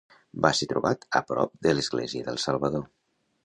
Va ser trobat a prop de l'Església del Salvador.